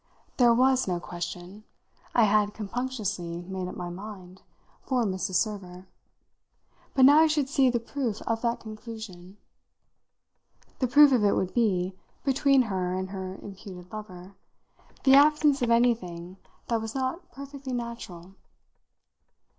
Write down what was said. There was no question, I had compunctiously made up my mind, for Mrs. Server; but now I should see the proof of that conclusion. The proof of it would be, between her and her imputed lover, the absence of anything that was not perfectly natural.